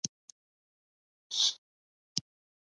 د ځوانانو د شخصي پرمختګ لپاره پکار ده چې ټولنه پرمختګ ورکړي.